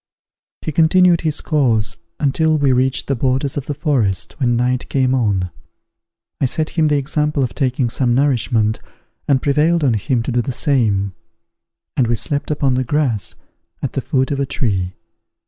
He continued his course until we reached the borders of the forest, when night came on. I set him the example of taking some nourishment, and prevailed on him to do the same; and we slept upon the grass, at the foot of a tree.